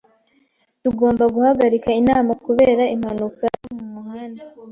Tugomba guhagarika inama kubera impanuka yo mu muhanda.